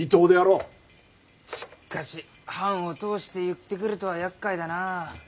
しかし藩を通して言ってくるとは厄介だな。